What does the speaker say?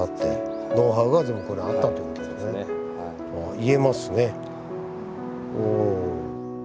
言えますね。